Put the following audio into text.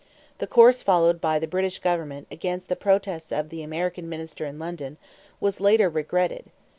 The course followed by the British government, against the protests of the American minister in London, was later regretted.